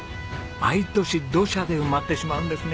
毎年土砂で埋まってしまうんですね。